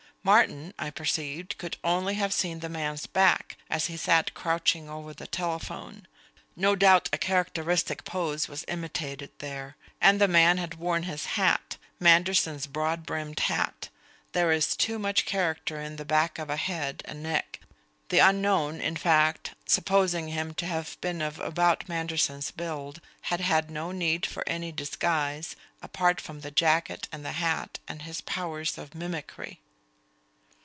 Martin, I perceived, could only have seen the man's back, as he sat crouching over the telephone; no doubt a characteristic pose was imitated there. And the man had worn his hat, Manderson's broad brimmed hat! There is too much character in the back of a head and neck. The unknown, in fact, supposing him to have been of about Manderson's build, had had no need for any disguise, apart from the jacket and the hat and his powers of mimicry.